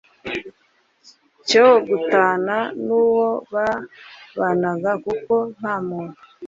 cyo gutana n'uwo babanaga kuko nta muntu